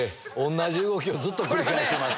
同じ動きをずっと繰り返してます。